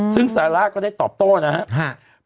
ซึ่งซาร่าก็ได้ตอบโต้นะครับ